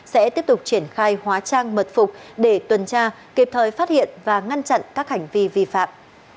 sẽ tiếp tục triển khai hóa trang mật phục để tuần tra kịp thời phát hiện và ngăn chặn các hành vi vi phạm